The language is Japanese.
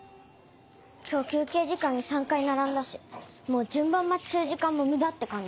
今日休憩時間に３回並んだしもう順番待ちする時間も無駄って感じ。